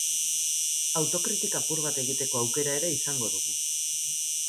Autokritika apur bat egiteko aukera ere izango dugu.